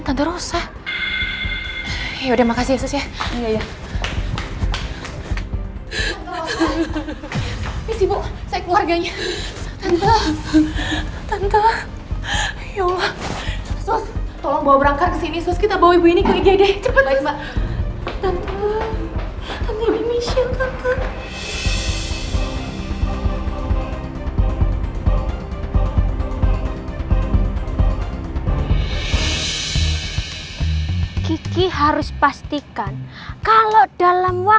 kedengar bets ini kecil sayera